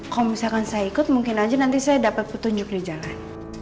kalau misalkan saya ikut mungkin aja nanti saya dapat petunjuk di jalan